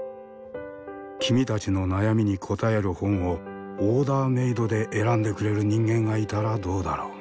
君たちの悩みに答える本をオーダーメードで選んでくれる人間がいたらどうだろう？